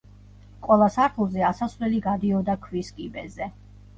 ყველა სართულზე ასასვლელი გადიოდა ქვის კიბეზე.